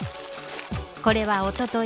これはおととい